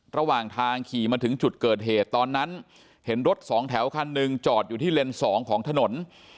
ระหว่างทางขี่มาถึงจุดเกิดเหตุตอนนั้นเห็นรถสองแถวคันหนึ่งจอดอยู่ที่เลนส์๒ของถนน